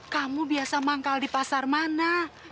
kamu biasa manggal di pasar mana